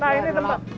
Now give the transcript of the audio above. nah ini tempat